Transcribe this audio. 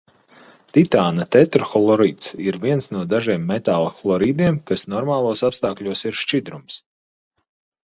Titāna tetrahlorīds ir viens no dažiem metālu hlorīdiem, kas normālos apstākļos ir šķidrums.